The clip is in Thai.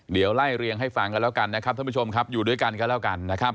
เดี๋ยวไล่เรียงให้ฟังกันแล้วกันนะครับท่านผู้ชมครับอยู่ด้วยกันก็แล้วกันนะครับ